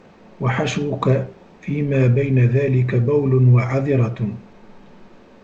وَحَشْوُك فِيمَا بَيْنَ ذَلِكَ بَوْلٌ وَعَذِرَةٌ